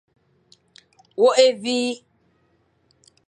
Wôkh évi.